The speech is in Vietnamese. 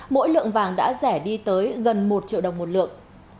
mỗi lượng vàng đã rẻ đi tới gần một triệu đồng một lượng